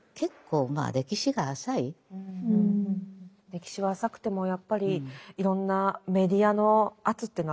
歴史は浅くてもやっぱりいろんなメディアの圧っていうのはありますもんね。